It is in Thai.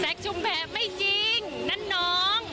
ชุมแพรไม่จริงนั่นน้อง